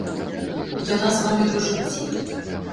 Яна з вамі па жыцці?